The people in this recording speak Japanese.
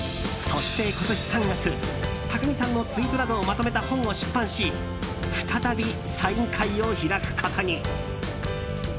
そして今年３月高木さんのツイートなどをまとめた本を出版し再びサイン会を開くことに。